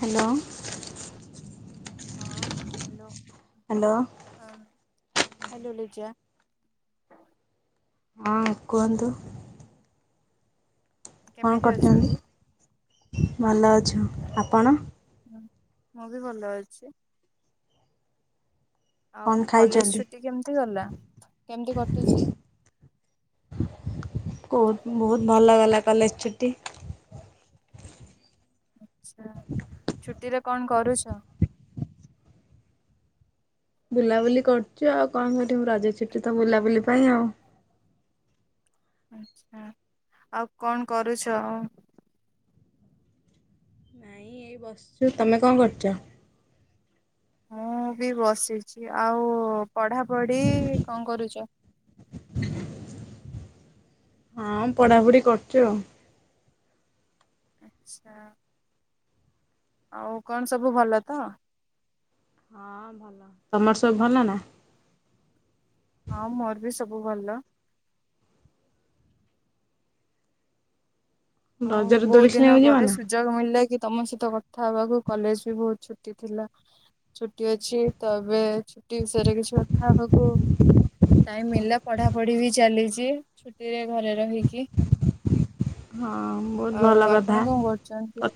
Hello. ହଁ, hello. Hello. Hello Liza. ହଁ କୁହନ୍ତୁ। କଣ କେମିତି ଅଛନ୍ତି? କରୁଚନ୍ତି ଭଲ ଅଛୁ ଆପଣ? ମୁଁ ବି ଭଲ ଅଛି। କଣ ଆଉ କଲେଜ୍ ଖାଇଛନ୍ତି? ଛୁଟି କେମ୍ତି ଗଲା, କେମ୍ତି କଟିଚି? [unintelligible] ବହୁତ୍ ଭଲ ଗଲା କଲେଜ୍ ଛୁଟି। ଆଚ୍ଛା। ଛୁଟିରେ କଣ କରୁଚ? ବୁଲାବୁଲି କରୁଚୁ ଆଉ କଣ କରିବୁ ରଜ ଛୁଟି ତ ବୁଲାବୁଲି ପାଇଁ ଆଉ। ଆଚ୍ଛା, ଆଉ କଣ କରୁଚ? ନାଇଁ ଏଇ ବସିଚୁ, ତମେ କଣ କରୁଚ? ମୁଁ ବି ବସିଚି, ଆଉ ପଢାପଢି କଣ କରୁଚ? ହଁ ପଢାପଢି କରୁଚି ଆଉ। ଆଚ୍ଛା। ଆଉ କଣ ସବୁ ଭଲ ତ? ହଁ [unintelligible] ଭଲ, ତମର ସବୁ ଭଲ ନା? ହଁ ମୋର ବି ସବୁ ଭଲ। ଆଉ ରଜରେ ଦୋଳି ବହୁତ୍ ଦିନ ଖେଳିବାକୁ ଯିବ ପରେ ନା? ସୁ ଯୋଗ ମଳିଲା କି ତମ ସହିତ କଥା ହେବାକୁ କଲେଜ୍ ବି ବହୁତ୍ ଛୁଟି ଥିଲା। ଛୁଟି ଅଛି, ତ ଏବେ ଛୁଟି ବିଷୟରେ କିଛି କଥା ହବାକୁ ଟାଇମ୍ ମିଳିଲା ପଢ଼ାପଢ଼ି ବି ଚାଲିଚି ଛୁଟିରେ ଘରେ ରହିକି। ହଁ। ବହୁତ ଭଲ ଆଉ କଥା ଆପଣ କଣ କରୁଚନ୍ତି?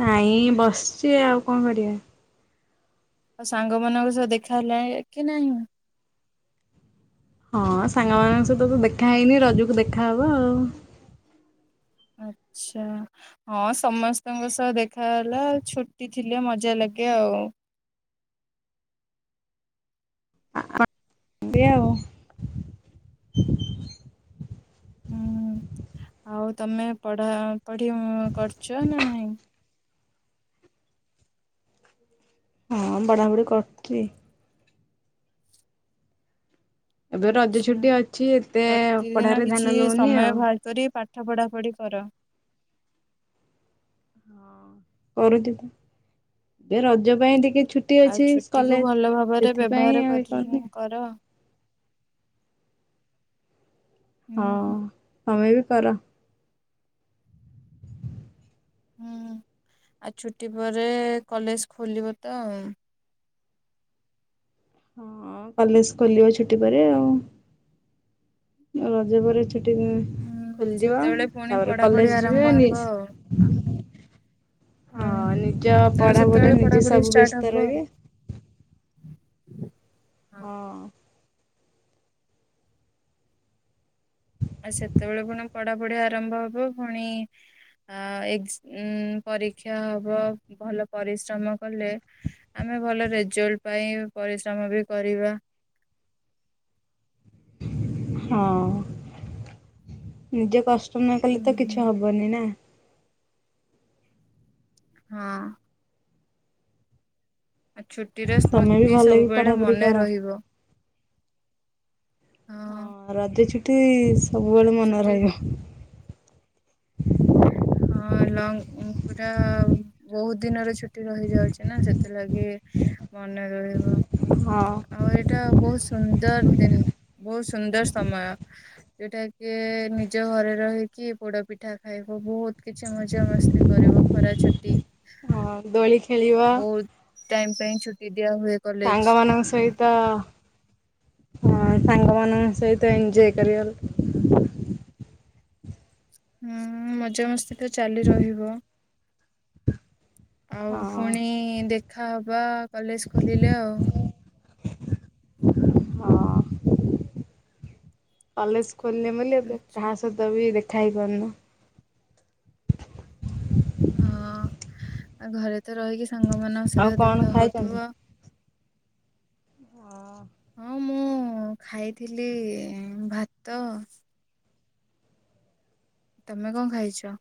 ନାଇଁ ବସ୍ଚି ଆଉ କଣ କରିଆ? ଆଉ ସାଙ୍ଗମାନଙ୍କ ସହ ଦେଖା ହେଲା କି ନାଇଁ? ହଁ ସାଙ୍ଗମାନଙ୍କ ସହିତ ତ ଦେଖା ହେଇନି ରଜକୁ ଦେଖାହବ ଆଉ। ଆଚ୍ଛା। ହଁ ସମସ୍ତଙ୍କ ସହ ଦେଖା ହେଲା ଛୁଟି ଥିଲେ ମଜା ଲାଗେ ଆଉ। [unintelligible] ଆଉ। [unintelligible] ଆଉ ତମେ ପଢାପଢି କରୁଚ ନା ନାଇଁ? ହଁ [unintelligible] କରୁଚି। ଏବେ ରଜ ଆଚ୍ଛା, ଛୁଟି ଅଛି ଏତେ ପ୍ରତିଦିନ ପଢ଼ାରେ ଧ୍ୟାନ କିଛି ଦଉନି ଆଉ। ସମୟ ବାହାର କରି ପା ଠ ପଢାପଢ଼ି କର। ହଁ। [unintelligible] ଏ ରଜ ପାଇଁ ଟିକେ ଛୁ ଟି ଆଉ ଅଛି ଛୁଟିକୁୁ କଲେଜ୍, ଭଲ ଭାବରେ ସେଥିପାଇଁ ବ୍ୟବହାର ଆଉ [unintelligible] କରୁନି। [unintelligible] ହଁ, ହୁଁ ହୁଁ ତମେ ବି କର। ହୁଁ, ଆଉ ଛୁଟି ପରେ କଲେଜ ଖୋଲିବ ତ? ହଁ, କଲେଜ ଖୋଲିବ ଛୁଟି ପରେ ଆଉ। ରଜ ପରେ ଛୁଟି ମି ହୁଁ ଖୋଲିଯିବ। ସେତେବେଳେ ପୁଣି ତାପରେ ପଢ଼ାପଢ଼ି କଲେଜ ଆରମ୍ଭ ଯିବେ ନି ହବ ଆଉ। ହଁ, ହୁଁ ନିଜ ତାପରେ ପଢାପଢ଼ି ସେତେବେଳେ ନିଜେ ପଢ଼ାପଢ଼ି ସବୁ ଷ୍ଟାର୍ଟ ହବ। ବ୍ୟସ୍ତ ରହିବେ। ହଁ। ଆଉ ସେତେବେଳେ ଫୁଣି ପଢ଼ାପଢ଼ି ଆରମ୍ଭ ହେବ, ଫୁଣି ଆ, ଏକ୍ସ-ଉମ ପରୀକ୍ଷା ହବ। ଭଲ ପରିଶ୍ରମ କଲେ ଆମେ ଭଲ ରେଜଲ୍ଟ ପାଇଁ ପରିଶ୍ରମ ବି କରିବା। ହଁ, ନିଜେ କଷ୍ଟ ନ କଲେ, ହୁଁ ତ ହୁଁ କିଛି ହବନି ନା। ହଁ। ଆ ଛୁଟିର ତମେ ବି ସ୍ମୃତି ଭଲ କି ସବୁବେଳେ ପଢାପଢି ମନେ କର। ରହିବ। ହଁ, ରଜ ଛୁଟି ସବୁବେଳେ ମନେ ଛୁଟି ରହିବ। ହଁ, ଲଙ୍ଗ ପୁରା ବହୁତ ଦିନର ଛୁ ଛୁଟି ରହିଯାଉଛି ନା, ସେଥିଲାଗି ମନେ ରହିବ। ହଁ। ଆଉ ଏଇଟା ବହୁତ ସୁନ୍ଦର ଦିନ, ବହୁତ ସୁନ୍ଦର ସମୟ। ଯୋଉଟା କି ନିଜ ଘରେ ରହିକି, ପୋଡ ପିଠା ଖାଇବ। ବହୁତ କିଛି ମଜା ମସ୍ତି କରିବ। ଖରା ଛୁଟି ହଁ, ଦୋଳି ଖେଳିବ। ବହୁତ ଟାଇମ ପାଇଁ ଛୁଟି ଦିଆ ହୁଏ। କଲେଜ ସାଙ୍ଗମାନଙ୍କ ସହିତ ହଁ, ସାଙ୍ଗମାନଙ୍କ ସହି ତ ଏନ୍‌ଜୟ କରିିବ। ହୁଁ ଉ ମ ମଜାମସ୍ତି ତ ଚାଲି ରହିବ। ଆଉ ହଁ ଫୁଣି ଦେଖାହବା କଲେଜ ଖୋଲିଲେ ଆଉ। ହଁ, କଲେଜ ଖୋଲିଲେ ବୋଲି, ଏବେ ଆଚ୍ଛା କାହା ସହିତ ବି ଦେଖା ହେଇପାରୁନା। ହଁ, ଆ, ଘରେ ତ ରହିକି ସାଙ୍ଗମାନଙ୍କ ଆଉ ସହିତ କଣ ଦେଖା ଖାଇଛନ୍ତି? ହଉଥିବ। [inaudible] ହଁ, ମୁଁ ଖାଇଥିଲି ଭାତ ତମେ କଣ ଖାଇଛ?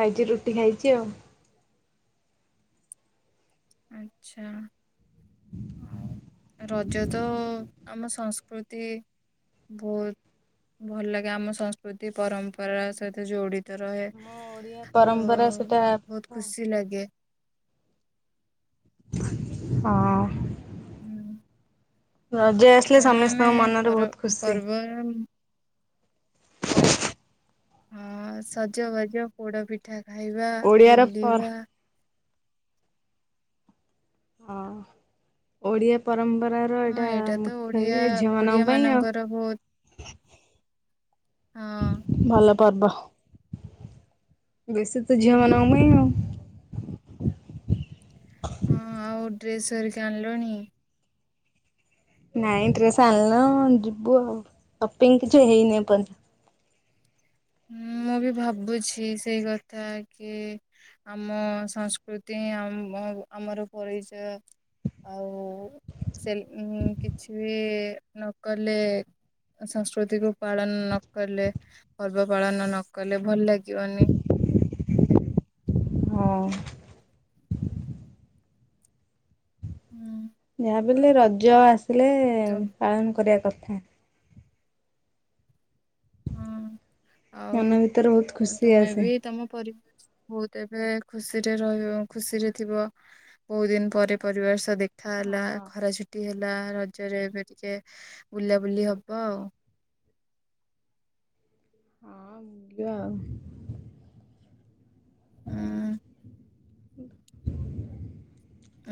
ଖାଇଛି, ରୁଟି ଖାଇଛି ଆଉ। ଆଚ୍ଛା। ଆଉ ରଜ ତ ଆମ ସଂସ୍କୃତି ବହୁତ ଭଲ ଲାଗେ, ଆମ ସଂସ୍କୃତି ପରମ୍ପରା ସହିତ ଯୋଡି ରହେ, ଆମ ଓଡିଆ ତ ପରମ୍ପରା ସେଟା ହଁ ବହୁତ ଖୁସି ଲାଗେ। ହଁ। ହୁଁ ରଜ ଆସିଲେ ତେଣୁ ଆମେ ସମସ୍ତଙ୍କ ମନରେ ପର ବହୁତ ଖୁସି। [unintelligible] ହଁ, ସଜବାଜ, ପୋଡ଼ ପିଠା ଖାଇବା, ଓଡ଼ିଆର ପର ବୁଲିବା ହଁ, ଓଡିଆ ପରମ୍ପରା ର ହଁ ଏଇଟା ତ ମୁଖ୍ୟ, ଓଡିଆ ଇଏ ଓଡିଆ ଝିଅମାନଙ୍କ ପାଇଁ ଆଉ। [unintelligible] ହଁ। ଭଲ ପର୍ବ। ବେଶୀ ତ ଉଁ ଝିଅମାନଙ୍କ ପାଇଁ ଆଉ। ହଁ, ଆଉ ଡ୍ରେସ୍ ଅରିକା ଆଣିଲଣି? ନାଇଁ ଡ୍ରେସ ଆଣନୁ ଯିବୁ ଆଉ। ସପିଙ୍ଗ୍ କିଛି ହେଇନି ଏପନ୍ଦ ହଁ, ମୁଁ ବି ଭାବୁଛି ସେଇ କଥା କି ଆମ ସଂସ୍କୃତି ଆମ ଆମର ପରିଚୟ। ଆଉ ସେଲେ କିଛି ବି ନକଲେ ସଂସ୍କୃତିକୁ ପାଳନ ନକଲେ ପର୍ବ ପାଳନ ନ କଲେ ଭଲ ଲାଗିବନି। ହଁ। ହୁଁ। ଯାହାବି ବେଲେ ରଜ ଆସିଲେ ତ ପାଳନ କରିବା କଥା। ହଁ ମନ ଭିତରେ ବହୁତ ଆଉ ଖୁସି ତୁମେ ଆସେ। ଏବେ ତମ ପରିବାର ବହୁତ ଏବେ ଖୁସିରେ ରହିବ ଖୁସିରେ ଥିବ। ବହୁଦିନି ପରେ ପରିବାର ସହ ଦେ ଖା ହେଲା, ହଁ। ଖରା ଛୁଟି ହେଲା ହେଲା ରଜରେ ଏବେ ଟିକେ ବୁଲାବୁଲି ହବ ଆଉ। ହଁ ବୁଲିବା ଆଉ। ହୁଁ।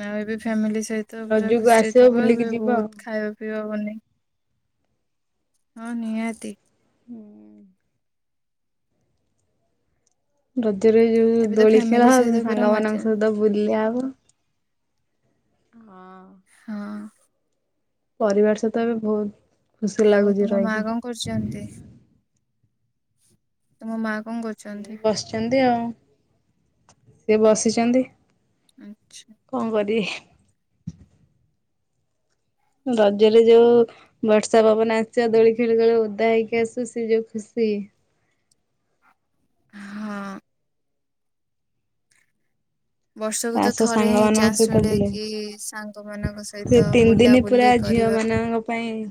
ଆଉ ଏବେ ଫ୍ୟାମିଲି ସହିତ ପୁରା ରଜକୁ ଖୁସିରେ ଆସିବ ଥିବ ବୁଲିକି ଏବେ ଯିବ ଆଉ। ବହୁତ ଖାଇବା ପିଇବା ବନେଇ ହଁ ନିହାତି। ହୁଁ ଉଁ ରଜରେ ଯୋଉ ଏବେ ତ ଦୋଳି ଖେଳ ଫ୍ୟାମିଲି ହବ, ସହିତ ପୁରା ସାଙ୍ଗ ମଜା ମାନାନଙ୍କ ସହିତ ବୁଲିଆ ହବ। ହଁ। ହଁ। ପରିବାର ସହିତ ଏବେ ବହୁତ ଖୁସି ଲାଗୁଛି ରହିକି। କରୁଚନ୍ତି ତମ ମାଁ କଣ କରୁ ସିଏ ବସିଛନ୍ତି ଆଉ‌। ସିଏ ବସିଚନ୍ତି। ଆଚ୍ଛା। କଣ କରିବେ? ରଜରେ ଯୋଉ ବର୍ଷା ପବନ ଆସିବା ଦୋଳି ଖେଳୁ ଖେଳୁ ଓଦା ହେଇକି ଆସୁ ସେ ଯୋଉ ଖୁସି। ହଁ। ବର୍ଷକୁ ତା ତ ସହ ଥରେ ହିଁ ସାଙ୍ଗମାନଙ୍କ ଚାନ୍ସ ସହିତ ମିଳେ ବୁଲେ କି ସାଙ୍ଗ ମାନଙ୍କ ସହିତ ବୁଲା ବୁଲି ଝିଅମାନଙ୍କ ପାଇଁ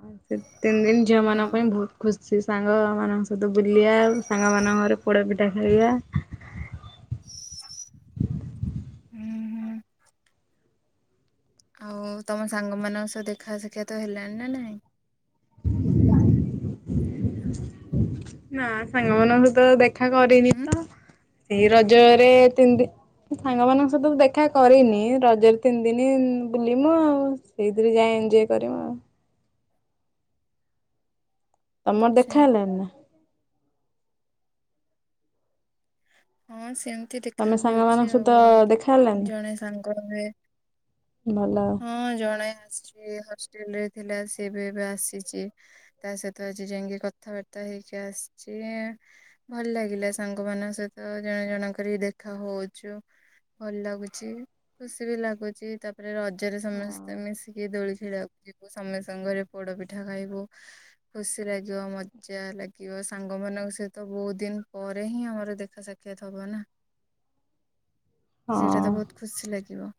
ହଁ ସେତେ ଦିନ ହଁ ଝିଅମାନଙ୍କ ପାଇଁ ବହୁତ ଖୁସି। ସେ ସାଙ୍ଗମାନଙ୍କ ସହିତ ବୁଲିବା ସାଙ୍ଗମାନଙ୍କ ଘରେ ପୋଡା ପିଠା ଖାଇବା। ହୁଁ ହୁଁ। ଆଉ ତମ ସାଙ୍ଗମାନଙ୍କ ସହ ଦେଖା ସଖ୍ୟାତ ହେଲାଣି ନା ନାଇଁ? ନା ସାଙ୍ଗମାନଙ୍କ ତ ଦେଖା କରିନି ହୁଁ ତ। ସେଇ ରଜରେ ତିନି ଦି ସାଙ୍ଗମାନଙ୍କ ସହିତ ଦେଖା କରିନି ରଜରେ ତିନି ଦିନ ବୁଲିବୁ ଆଉ। ସେଇଥିରେ ଯାଏ ଏଞ୍ଜୟ କରିମୁ ଆଉ। ତମର ଆଚ୍ଛା ଦେଖା ହେଲାଣି ନା? ହଁ ସେମିତି ଦେଖା ତମେ ହଉଚି ସାଙ୍ଗମାନଙ୍କ ସହିତ ଆଉ। ଦେଖା ହେଲାନି ଜଣେ ସାଙ୍ଗ ହୁଏ। ଭଲ ଆଉ। ହଁ ଜଣେ ଆସିଚ ହଷ୍ଟେଲ ରେ ଥିଲା ସେ ଏବେ ଏବେ ଆସିଚି। ତା ସହିତ ଆଜି ଯାଇକି କଥାବାର୍ତ୍ତା ହେଇକି ଆସିଚ। ଭଲ ଲାଗିଲା ସାଙ୍ଗ ମାନାନଙ୍କ ସହିତ ଜଣେ ଜଣ କରି ଦେଖା ହଉଚୁ। ଭଲ ଲାଗୁଛି ଖୁସି ବି ଲାଗୁଛି ତାପରେ ର ଜରେ ସମସ୍ତେ ମିଶିକି ଦୋଳି ଖେଳିବାକୁ ଯିବୁ ସମସ୍ତଙ୍କ ଘରେ ପୋଡପିଠା ଖାଇବୁ। ଖୁସି ଲାଗିବ ମଜା ଲାଗିବ ସାଙ୍ଗମାନଙ୍କ ସହିତ ବହୁତ୍ ଦିନ ପରେ ହିଁ ଆମର ଦେଖା ସା କ୍ଷାତ ହବନା ସେଇଟା ହଁ। ତ ବହୁତ ଖୁସି ଲାଗିବ।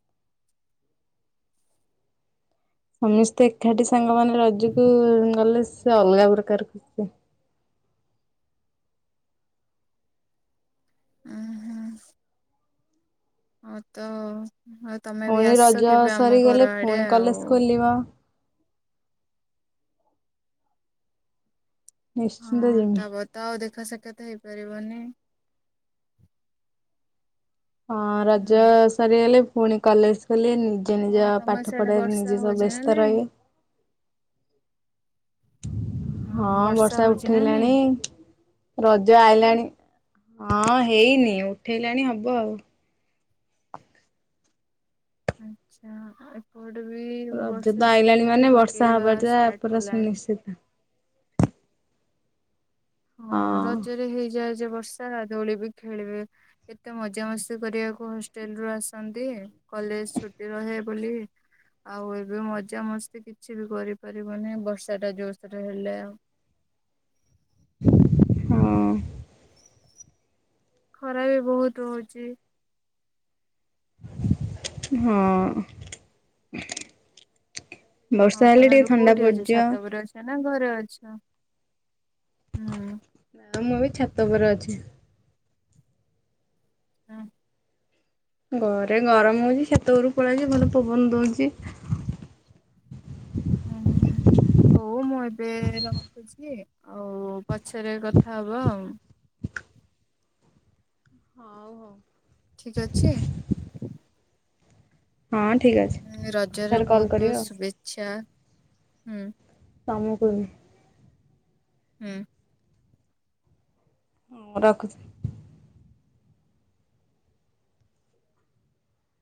ସମିସ୍ତେ ଏକାଠି ସାଙ୍ଗମାନେ ରଜୁକୁ ଗଲେ ସେ ଅଲଗା ପ୍ରକାର ଖୁସି। ଅଁ ହଁ। ଆଉ ତ ଆଉ ତମେ ବି ପୁଣି ରଜ ଆସ କେବେ ଆମ ସରିଗଲେ ଘରଆଡେ ପୁଣି ଆଉ। କଲେଜ ଖୋଲିବ ନିଶ୍ଚିନ୍ତ ହଁ ଯିମି। ତାପରେତ ଆଉ ଦେଖା ସାକ୍ଷାତ ହେଇ ପାରିବନି। ହଁ ରଜ ହୁଁ ସରିଗଲେ ଫୁଣି କଲେଜ ଖୋଲିବେନି। ନିଜ ହଁ ନିଜ ତମର ପାଠ ସିଆଡେ ପଢାରେ ବର୍ଷା ନିଜେ ସବୁ ହଉଛି ନା ବେସ୍ତ ନାଇଁ ରହିବେ। ହଁ ବର୍ଷା ହଉଛି ନା ଉଠେଇଲାଣି। ନାଇଁ ରଜ ଆଇଲାଣି ହଁ ହେଇନି ଉଠେଇଲାଣି ହବ ଆଉ। ଆଚ୍ଛା ଏପଟେ ବି ରଜ ବର୍ଷା ତ ଆଇଲାଣି ଝିପଝିପି ପକେଇବା ଷ୍ଟାର୍ଟ କଲାଣି। ସେଟା। ହଁ ରଜରେ ହେଇଯାଏ ଯେ ବର୍ଷା ଦୋଳିିବି ଖେଳିବି। ଏତେ ମଜାମସ୍ତି କରିବାକୁ ହଷ୍ଟେଲ ରୁ ଆସନ୍ତି କଲେଜ ଛୁଟି ରହେ ବୋଲି। ଆଉ ଏବେ ମଜା ମସ୍ତି କିଛି ବି କରିପାରିବନି ବର୍ଷା ଟା ଜୋରସୋର ହେଲେ ଆଉ। ହୁଁ। ଖରା ବି ବହୁତୁ ହୋଉଛି। ହୁଁ। ବର୍ଷାହେଲେ ଟିକେ ଥଣ୍ଡା ପଡିଯିବ। ଏଇନା ଘରେ ଅଛ ହୁଁ। ଆ ମୁଁ ବି ଛାତ ଉପରେ ଅଛି। ହଁ। ଘରେ ଗରମ ହଉଚି ଛାତ ଉପରୁକୁ ପଳେଇଆଇଚି ଭଲ ପବନ ଦଉଛି। ହୁଁ ହୁଁ। ହଉ ମୁଁ ଏବେ ରଖୁଛି ଆଉ ପଛରେ କଥା ହବା ଆଉ। ହଉ ହଉ। ଠିକ୍ ଅଛି? ହଁ ଠିକ୍ ଅଛି। ହୁଁ ରଜର ସାର୍ କଲ୍ ବହୁତ କରିବେ ବହୁତ ଆଉ ଶୁଭେଚ୍ଛା ହୁଁ। ତମୁକୁ ବି। ହୁଁ। ହଁ ରଖୁଛି।